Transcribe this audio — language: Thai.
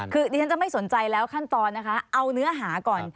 คือดิฉันจะไม่สนใจแล้วขั้นตอนนะคะเอาเนื้อหาก่อน